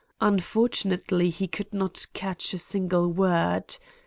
Unfortunately he could not catch a single word.